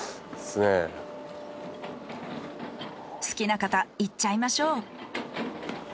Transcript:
好きな方いっちゃいましょう。